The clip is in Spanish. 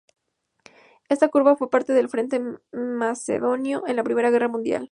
Esta curva fue parte del Frente macedonio en la Primera Guerra Mundial.